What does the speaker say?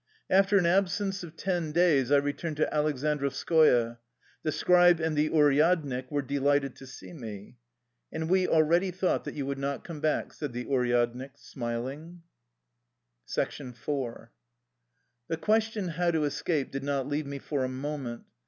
After an absence of ten days I returned to Aleksandrovskoye. The scribe and the uryad nik were delighted to see me. " And we already thought that you would not come back/' said the uryadnik, smiling. IV The question how to escape did not leave me for a moment.